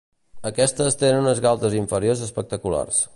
Aquestes tenen unes galtes inferiors espectaculars.